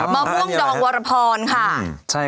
มาแล้วครับมา